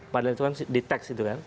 padahal itu kan di teks